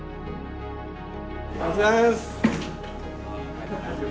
お疲れさまです！